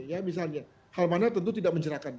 ya misalnya hal mana tentu tidak mencerahkan